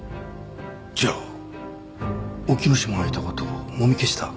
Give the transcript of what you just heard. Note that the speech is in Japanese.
じゃあ沖野島がいたことをもみ消した？